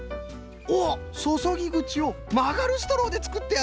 おっそそぎぐちをまがるストローでつくってある！